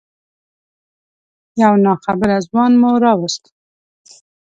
یو ناخبره ځوان مو راوست.